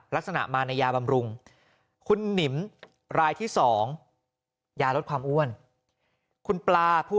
ลักษณะมาในยาบำรุงคุณหนิมรายที่๒ยาลดความอ้วนคุณปลาผู้